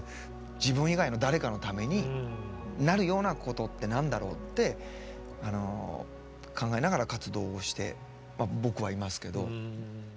自分以外の誰かのためになるようなことって何だろうって考えながら活動をして僕はいますけど。